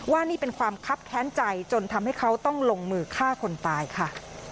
ว่านี่เป็นความคับแค้นใจจนทำให้เขาต้องลงมือฆ่าคนตายค่ะ